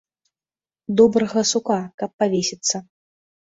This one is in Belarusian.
Добрага сука, каб павесіцца!